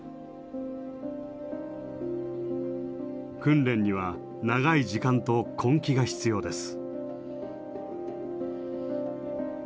訓練には長い時間と根気が必要です。